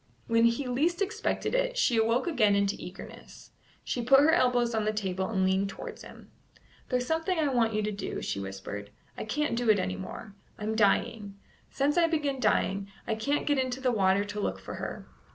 When he least expected it, she awoke again into eagerness; she put her elbows on the table and leaned towards him. "There's something I want you to do," she whispered. "I can't do it any more. I'm dying. Since I began dying, I can't get into the water to look for her.